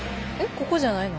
ここじゃないの？